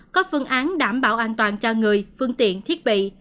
có phương án đảm bảo an toàn cho người phương tiện thiết bị